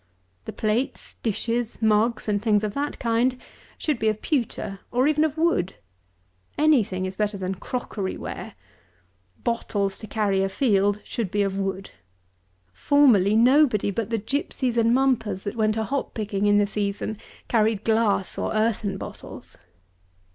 The plates, dishes, mugs, and things of that kind, should be of pewter, or even of wood. Any thing is better than crockery ware. Bottles to carry a field should be of wood. Formerly, nobody but the gypsies and mumpers, that went a hop picking in the season, carried glass or earthen bottles.